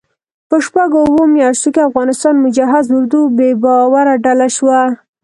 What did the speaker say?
په شپږو اوو میاشتو کې افغانستان مجهز اردو بې باوره ډله شوه.